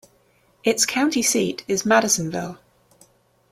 Its county seat is Madisonville.